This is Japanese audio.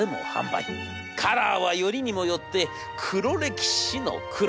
カラーはよりにもよって黒歴史の黒。